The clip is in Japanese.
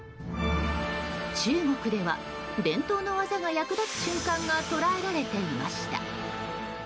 中国では伝統の技が役立つ瞬間が捉えられていました。